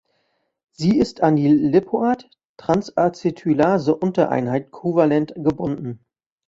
Sie ist an die Lipoat-Trans-Acetylase-Untereinheit kovalent gebunden.